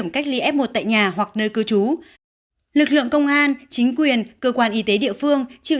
cách ly f một tại nhà hoặc nơi cư trú lực lượng công an chính quyền cơ quan y tế địa phương chịu